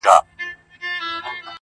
له لمبو يې تر آسمانه تلل دودونه!.